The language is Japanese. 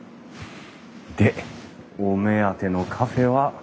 でお目当てのカフェは。